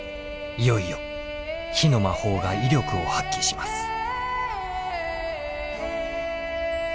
いよいよ火の魔法が威力を発揮します。